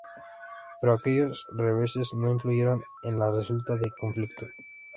Pero aquellos reveses no influyeron en la resulta del conflicto.